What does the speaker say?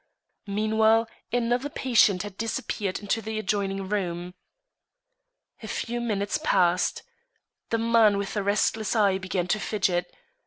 Meanwhile, another patient had disappeared into the adjoining room. A few minutes passed. The man with the restless eye began to fidget.